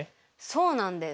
そうなんです。